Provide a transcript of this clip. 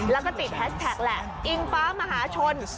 แล้วก็ติดแฮชแท็กแหละอิงฟ้ามหาชน